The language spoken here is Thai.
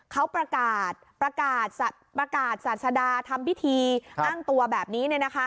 เขาประกาศประกาศประกาศศาสดาทำพิธีอ้างตัวแบบนี้เนี่ยนะคะ